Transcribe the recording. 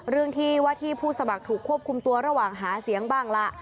เรื่องที่ว่าที่ผู้สมัครถูกควบคุมตัวระหว่างหาเสียงบ้างล่ะ